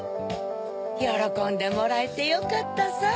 よろこんでもらえてよかったさ。